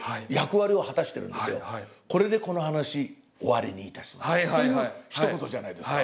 「これでこの噺終わりにいたします」というひと言じゃないですか。